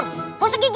gak usah gigi ya